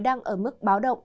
đang ở mức báo động